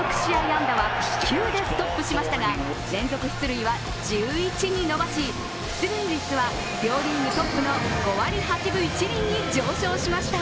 安打は９でストップしましたが連続出塁は１１に伸ばし出塁率は両リーグトップの５割８分１厘に上昇しました。